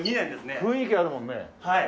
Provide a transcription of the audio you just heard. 雰囲気があるもんね。